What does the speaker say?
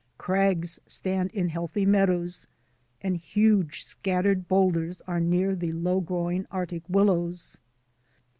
Crags stand in heathy meadows, and huge, scattered boulders are near the low growing Arctic willows.